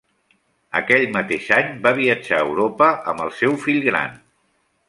Aquell mateix any va viatjar a Europa amb el seu fill gran.